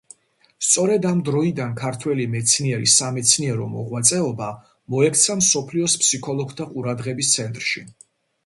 სწორედ ამ დროიდან ქართველი მეცნიერის სამეცნიერო მოღვაწეობა მოექცა მსოფლიოს ფსიქოლოგთა ყურადღების ცენტრში.